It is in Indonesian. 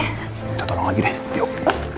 kita tolong lagi deh tiop